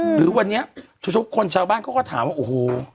หรือวันนี้ทุกคนชาวบ้านเขาก็ถามว่าโอ้โห